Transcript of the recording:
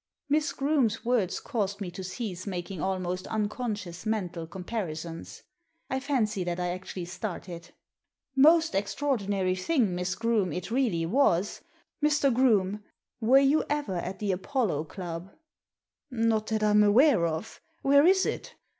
Miss Groome's words caused me to cease making almost unconscious mental comparisons, I fancy that I actually started. •* Most extraordinary thing, Miss Groome, it really was! Mr. Groome, were you ever at the Apollo Club?" " Not that I am aware of. Where is it